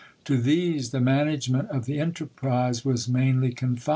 To these the manage ment of the enterprise was mainly confided.